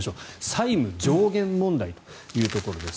債務上限問題というところです。